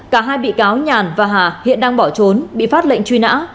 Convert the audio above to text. cả hai bị cáo nhàn và hà hiện đang bỏ trốn bị phát lệnh truy nã